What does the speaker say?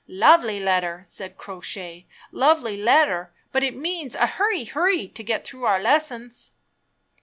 "Lovely letter!" said Crow Shay. "Lovely letter, but it means a hurry hurry to get through our lessons!"